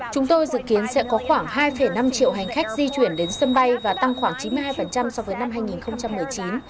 chúng tôi dự kiến sẽ có khoảng hai năm triệu hành khách di chuyển đến sân bay và tăng khoảng chín mươi hai so với năm hai nghìn một mươi chín